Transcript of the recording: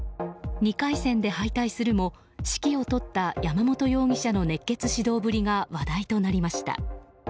２回戦で敗退するも指揮を執った山本容疑者の熱血指導ぶりが話題となりました。